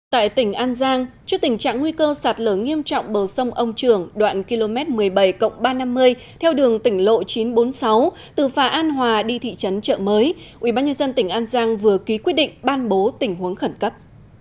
tại tỉnh an giang trước tình trạng nguy cơ sạt lở nghiêm trọng bờ sông ông trường đoạn km một mươi bảy ba trăm năm mươi theo đường tỉnh lộ chín trăm bốn mươi sáu từ phà an hòa đi thị trấn trợ mới ubnd tỉnh an giang vừa ký quyết định ban bố tình huống khẩn cấp